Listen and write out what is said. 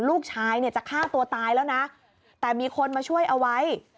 ลูกชายเนี่ยจะฆ่าตัวตายแล้วนะแต่มีคนมาช่วยเอาไว้